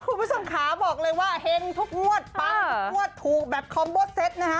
คุณผู้ชมขาบอกเลยว่าเฮงทุกงวดปังทุกงวดถูกแบบคอมโบเซตนะฮะ